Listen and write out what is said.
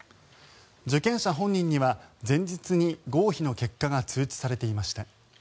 受験者本人には前日に合否の結果が通知されていました。